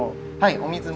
お水も？